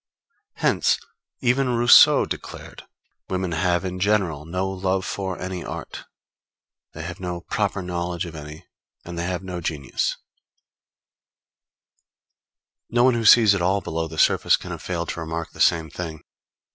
Hence, even Rousseau declared: Women have, in general, no love for any art; they have no proper knowledge of any; and they have no genius. [Footnote 1: Lettre à d'Alembert, Note xx.] No one who sees at all below the surface can have failed to remark the same thing.